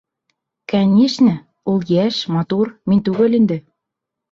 Кәнишне, ул йәш, матур, мин түгел инде.